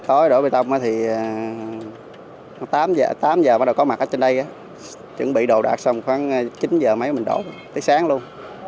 thôi đổi bê tông thì tám giờ bắt đầu có mặt trên đây chuẩn bị đồ đạc xong khoảng chín giờ mấy mình đổ tới sáng luôn